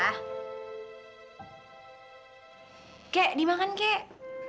kakek dimakan kakek